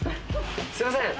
すいません。